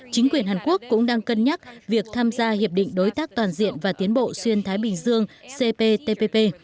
chính quyền hàn quốc cũng đang cân nhắc việc tham gia hiệp định đối tác toàn diện và tiến bộ xuyên thái bình dương cptpp